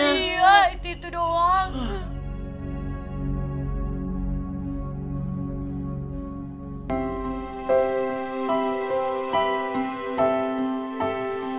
iya itu doang